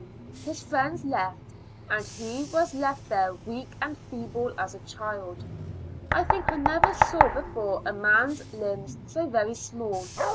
His friends left, and he was left there weak and feeble as a child; I think I never saw before a man's limbs so very small.